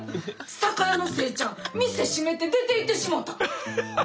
酒屋のせいちゃん店閉めて出ていってしもうた！